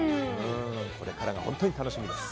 これからが本当に楽しみです。